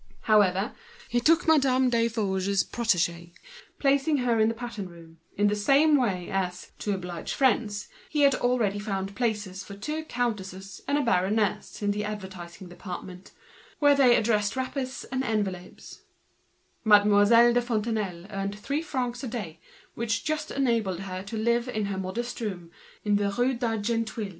However, he took Madame Desforges's protégé, but put her in the pattern room, in the same way as he had already found places, to oblige friends, for two countesses and a baroness in the advertising department, where they addressed envelopes, etc. Mademoiselle de Fontenailles earned three francs a day, which just enabled her to live in her modest room, in the Rue d'Argenteuil.